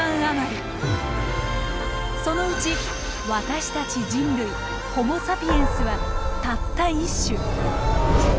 そのうち私たち人類ホモ・サピエンスはたった１種。